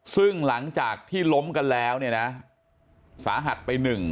ซึ่งหลังจากที่ล้มกันแล้วเนี่ยนะสาหัสไปหนึ่ง